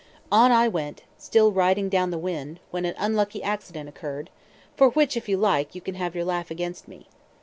On I went, still riding down the wind, when an unlucky accident occurred, for which, if you like, you can have your laugh against me.